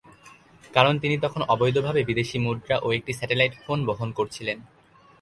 কারণ তিনি তখন অবৈধভাবে বিদেশি মুদ্রা ও একটি স্যাটেলাইট ফোন বহন করছিলেন।